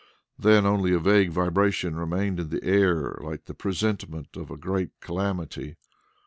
Then only a vague vibration remained in the air like the presentiment of a great calamity.